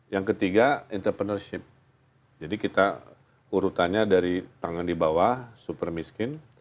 yang ketiga entrepreneurship jadi kita urutannya dari tangan di bawah super miskin